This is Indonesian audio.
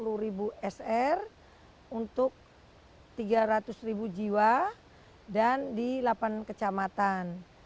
untuk tiga puluh ribu sr untuk tiga ratus ribu jiwa dan di delapan kecamatan